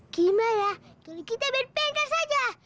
gimana kalau kita berpengkar saja